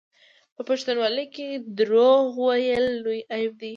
په پښتونولۍ کې دروغ ویل لوی عیب دی.